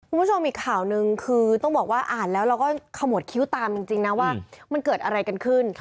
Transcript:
คุณผู้ชมอีกข่าวหนึ่งคือต้องบอกว่าอ่านแล้วเราก็ขมวดคิ้วตามจริงนะว่ามันเกิดอะไรกันขึ้น